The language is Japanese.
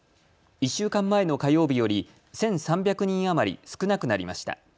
１週間前の火曜日より１３００人余り少なくなりました。